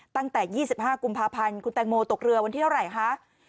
ตั้งแต่๒๕กุมภาพันธ์คุณแตงโมตกเรือวันที่เท่าไหร่คะ